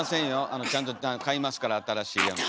あのちゃんと買いますから新しいやつ。